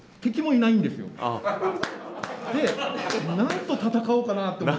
で何と戦おうかなって思って。